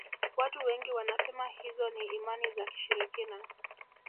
watu wengi wanasema hizo ni imani za kishirikina